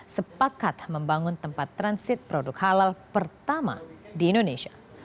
sepakat membangun tempat transit produk halal pertama di indonesia